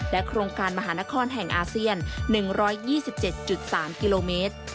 โครงการมหานครแห่งอาเซียน๑๒๗๓กิโลเมตร